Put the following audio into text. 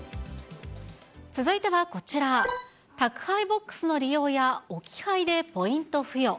続いてはこちら、宅配ボックスの利用や置き配でポイント付与。